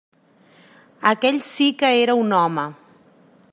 Aquell sí que era un home.